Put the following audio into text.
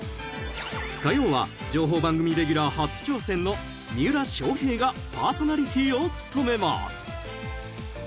［火曜は情報番組レギュラー初挑戦の三浦翔平がパーソナリティーを務めます］